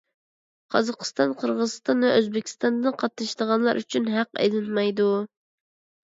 قازاقىستان، قىرغىزىستان ۋە ئۆزبېكىستاندىن قاتنىشىدىغانلار ئۈچۈن ھەق ئېلىنمايدۇ.